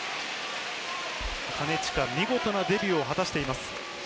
金近、見事なデビューを果たしています。